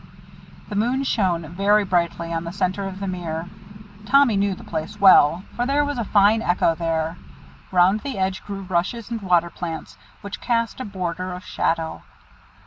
The moon shone very brightly on the centre of the mere. Tommy knew the place well, for there was a fine echo there. Round the edge grew rushes and water plants, which cast a border of shadow.